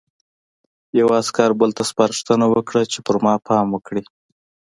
یوه عسکر بل ته سپارښتنه وکړه چې په ما پام وکړي